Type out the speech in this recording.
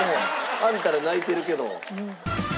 あんたら泣いてるけど。